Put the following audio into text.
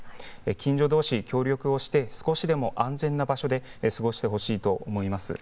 近所どうし協力をして少しでも安全な場所で過ごしてほしいと思います。